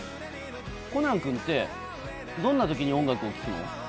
コナン君って、どんなときに音楽を聴くの？